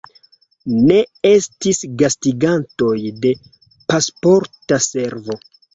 Ne estis gastigantoj de Pasporta Servo.